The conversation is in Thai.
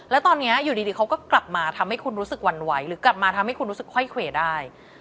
แล้วตอนนี้อยู่ดีเขาก็กลับมาทำให้คุณรู้สึกหวั่นไหวหรือกลับมาทำให้คุณรู้สึกค่อยเควได้